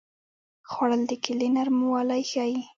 خوړل د کیلې نرموالی ښيي